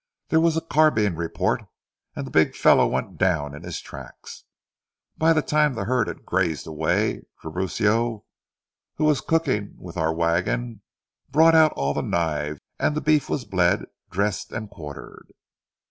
There was a carbine report and the big fellow went down in his tracks. By the time the herd had grazed away, Tiburcio, who was cooking with our wagon, brought out all the knives, and the beef was bled, dressed, and quartered.